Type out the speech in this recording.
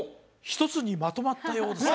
１つにまとまったようです